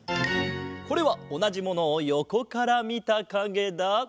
これはおなじものをよこからみたかげだ。